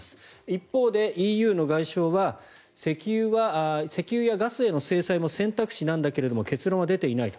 一方でＥＵの外相は石油やガスへの制裁も選択肢なんだけれども結論は出ていない。